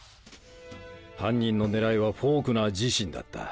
犯人の狙いはフォークナー自身だった。